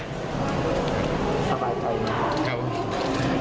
สบายใจไหม